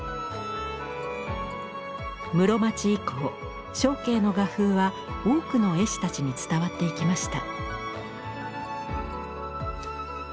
室町以降祥啓の画風は多くの絵師たちに伝わっていきました。